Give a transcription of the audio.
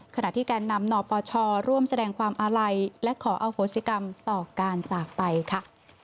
ขณะที่แกนนำนปชร่วมแสดงความอาลัยและขออโหสิกรรมต่อการจากไปค่ะ